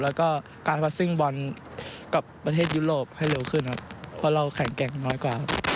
แล้วก็การพัสซิ่งบอลกับประเทศยุโรปให้เร็วขึ้นครับเพราะเราแข็งแกร่งน้อยกว่าครับ